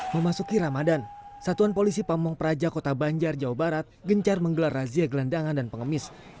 memasuki ramadan satuan polisi pamung praja kota banjar jawa barat gencar menggelar razia gelandangan dan pengemis